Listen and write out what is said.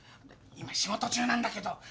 今仕事中なんだけど。